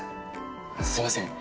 すいません